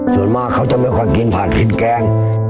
ส่วนมากเขาจะไม่ค่อยกินผัดกินแกง